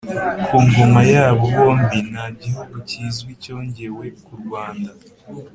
ku ngoma yabo bombi nta gihugu kizwi cyongewe ku rwanda